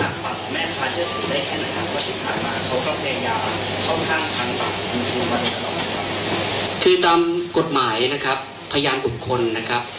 น้ำตากปากแม่ค่าเยอะสุดได้แค่นั้นครับ